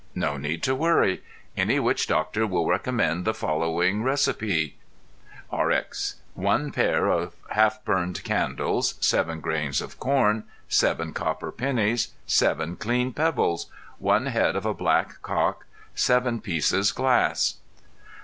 No need to worry; any witch doctor will recommend the following recipe. Rx 1 Pair half burned candles. 7 Grains of corn. 7 Copper pennies. 7 Clean pebbles. 1 Head of a black cock. 7 Pieces glass.